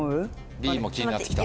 Ｂも気になってきた？